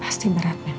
pasti berat memang